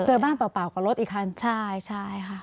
เจอบ้านเปล่ากับรถอีกคันใช่ใช่ค่ะ